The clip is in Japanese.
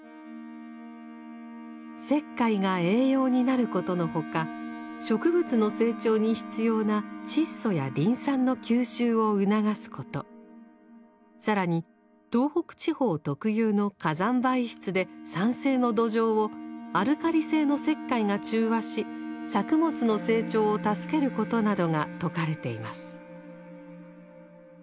石灰が栄養になることの他植物の成長に必要な窒素やリン酸の吸収を促すこと更に東北地方特有の火山灰質で酸性の土壌をアルカリ性の石灰が中和し作物の成長を助けることなどが説かれています。